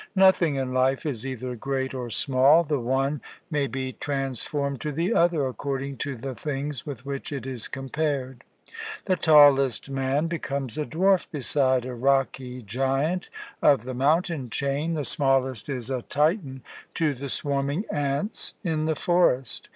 Nothing in life is either great or small the one may be transformed to the other, according to the things with which it is compared. The tallest man becomes a dwarf beside a rocky giant of the mountain chain, the smallest is a Titan to the swarming ants in the forest.